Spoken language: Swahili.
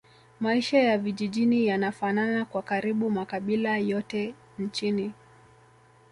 Maisha ya vijijini yanafanana kwa karibu makabila yote nchini